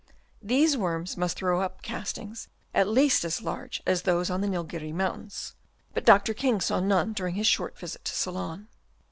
These worms must throw up castings at least as large as those on the Nilgiri Mountains ; but Dr. King saw none during his short visit to Ceylon.